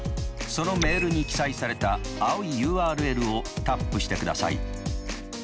そのメールに記載された青いＵＲＬをタップしてください。